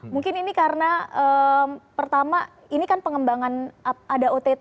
mungkin ini karena pertama ini kan pengembangan ada ott